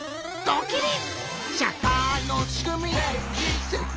ドキリ！